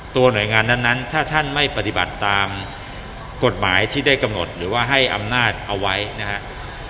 หน่วยงานนั้นถ้าท่านไม่ปฏิบัติตามกฎหมายที่ได้กำหนดหรือว่าให้อำนาจเอาไว้นะครับ